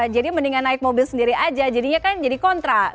mendingan naik mobil sendiri aja jadinya kan jadi kontra